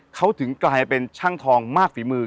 เขาถึงกลายเป็นช่างทองมากฝีมือ